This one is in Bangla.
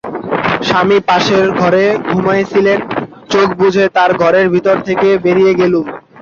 স্বামী পাশের ঘরে ঘুমোচ্ছিলেন, চোখ বুজে তাঁর ঘরের ভিতর থেকে বেরিয়ে গেলুম।